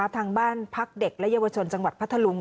ทางบ้านพักเด็กและเยาวชนจังหวัดพัทธลุง